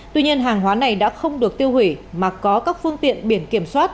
tuy nhiên hàng hóa này đã không được tiêu hủy mà có các phương tiện biển kiểm soát